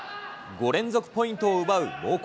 ５連続ポイントを奪う猛攻。